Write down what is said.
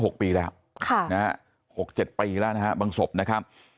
ก็๕๖ปีแล้วค่ะ๖๗ปีแล้วนะฮะบังสบนะครับ